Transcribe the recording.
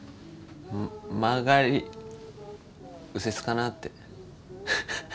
曲がり右折かなってハハハ。